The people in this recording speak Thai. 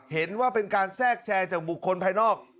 เห็นว่าเป็นการแทรกแชร์จากบุคคลภายนอก